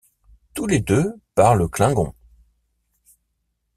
Tous les deux parlent Klingon.